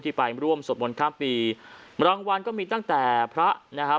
ที่ไปร่วมสดบนค่าผีรางวัลก็มีตั้งแต่พระนะคะ